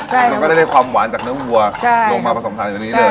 มันก็จะได้ความหวานจากเนื้อวัวลงมาผสมทานอยู่ในนี้เลย